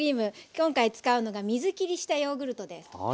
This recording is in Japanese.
今回使うのが水きりしたヨーグルトです。